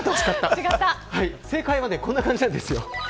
正解はこんな感じなんですよ。